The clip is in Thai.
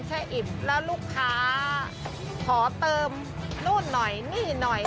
แค่อิ่มแล้วลูกค้าขอเติมนู่นหน่อยนี่หน่อย